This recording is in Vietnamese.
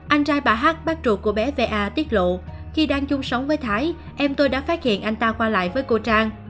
anh trai bà hát bác ruột của bé va tiết lộ khi đang chung sống với thái em tôi đã phát hiện anh ta qua lại với cô trang